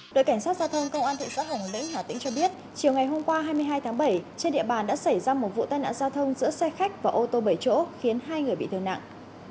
đội cảnh sát giao thông công an thị xã hồng lĩnh hà tĩnh cho biết chiều ngày hôm qua hai mươi hai tháng bảy trên địa bàn đã xảy ra một vụ tai nạn giao thông giữa xe khách và ô tô bảy chỗ khiến hai người bị thương nặng